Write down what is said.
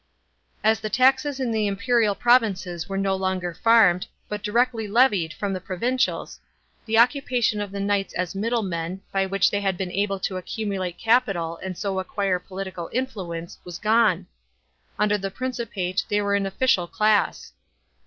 As the taxes in the imperial provinces were no longer farmed, but directly levied from the pro vincials, the occupation of the knights as middlemen, by which they had been able to accumulate capital and so acquire political influence, was gone. Under the Principate they are an official class.